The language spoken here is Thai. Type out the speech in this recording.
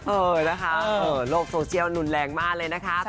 เออนะคะโลกโซเชียลรุนแรงมากเลยนะคะ